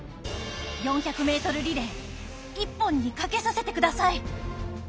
４００ｍリレー一本にかけさせてください。